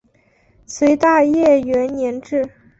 隋大业元年置。